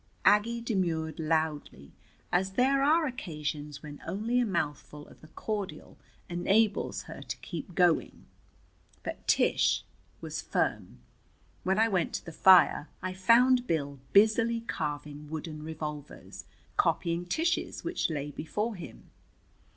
Aggie demurred loudly, as there are occasions when only a mouthful of the cordial enables her to keep doing. But Tish was firm. When I went to the fire, I found Bill busily carving wooden revolvers, copying Tish's, which lay before him.